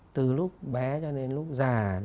từ lúc bé cho đến lúc già